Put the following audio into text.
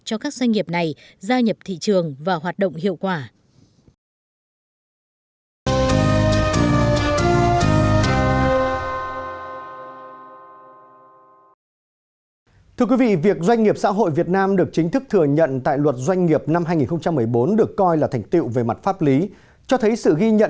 cho thấy sự ghi nhận về doanh nghiệp xã hội việt nam được chính thức thừa nhận